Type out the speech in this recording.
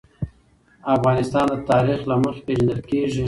افغانستان د تاریخ له مخې پېژندل کېږي.